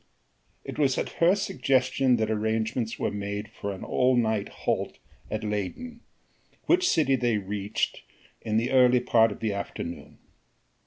It was at her suggestion that arrangements were made for an all night halt at Leyden, which city they reached in the early part of the afternoon.